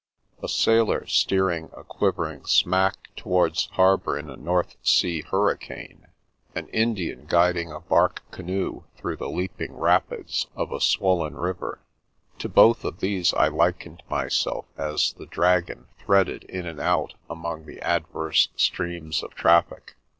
A sailor steering a quivering smack towards harbour in a North Sea hurricane; an Indian guiding a bark canoe through the leaping rapids of a swollen river : to both of these I likened myself as the dragon threaded in and out among the adverse streams of traffic.